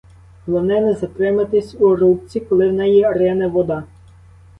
Головне, не затриматись у рубці, коли в неї рине вода.